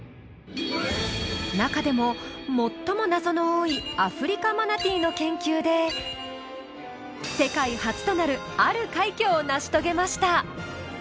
なかでも最も謎の多いアフリカマナティーの研究で世界初となるある快挙を成し遂げました。